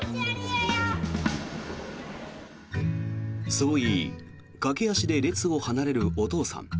そう言い駆け足で列を離れるお父さん。